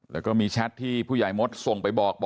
แล้วก็มีแชทที่ผู้ใหญ่มดส่งไปบอก